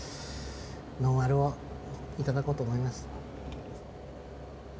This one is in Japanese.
ノンアルをいただこうと思います。